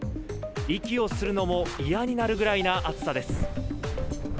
息をするのも嫌になるぐらいな暑さです。